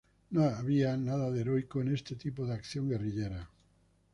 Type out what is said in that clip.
No había, nada de heroico en este tipo de acción guerrillera.